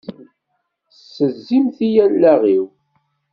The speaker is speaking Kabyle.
Tessezzimt-iyi allaɣ-iw!